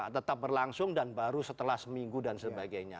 tetap berlangsung dan baru setelah seminggu dan sebagainya